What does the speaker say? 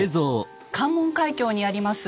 関門海峡にあります